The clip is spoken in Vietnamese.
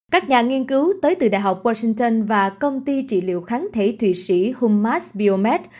các nhà nghiên cứu tới từ đại học washington và công ty trị liệu kháng thể thủy sĩ humas biomed